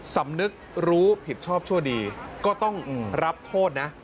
สำนึกรู้ผิดชอบชั่วดีก็ต้องรับโทษนะ